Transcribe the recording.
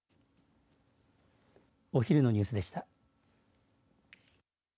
お昼のニュースでした。